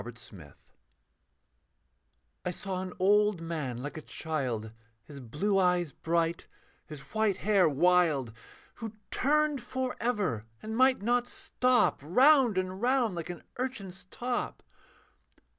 BEHIND I saw an old man like a child, His blue eyes bright, his white hair wild, Who turned for ever, and might not stop, Round and round like an urchin's top.